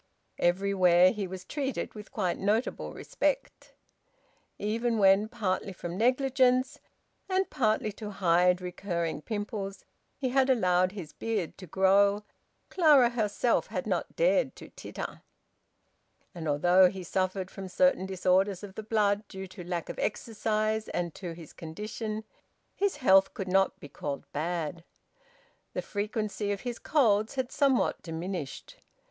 Everywhere he was treated with quite notable respect. Even when, partly from negligence, and partly to hide recurring pimples, he had allowed his beard to grow, Clara herself had not dared to titter. And although he suffered from certain disorders of the blood due to lack of exercise and to his condition, his health could not be called bad. The frequency of his colds had somewhat diminished.